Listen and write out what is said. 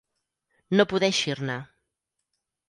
No poder eixir-ne.